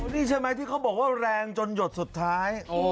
นี่ใช่ไหมที่เขาบอกว่าแรงจนหยดสุดท้าย